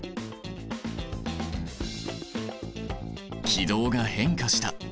軌道が変化した。